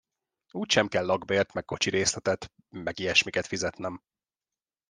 Úgysem kell lakbért meg kocsirészletet, meg ilyesmiket fizetnem.